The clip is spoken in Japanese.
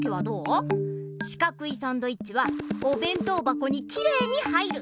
しかくいサンドイッチはおべん当ばこにきれいに入る！